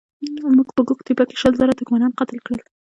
موږ په ګوک تېپه کې شل زره ترکمنان قتل کړل.